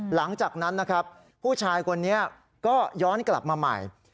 หลังจากนั้นนะครับผู้ชายคนนี้ก็ย้อนกลับมาใหม่